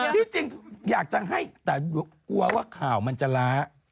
ที่จริงอยากจะให้แต่กลัวว่าข่าวมันจะล้า